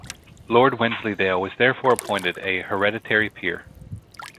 Lord Wensleydale was therefore appointed a hereditary peer.